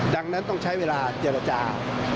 ดังนั้นต้องใช้เวลาเจรจา